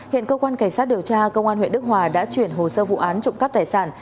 hiện cơ quan cảnh sát điều tra công an huyện đức hòa đã chuyển hồ sơ vụ án trộm cắp tài sản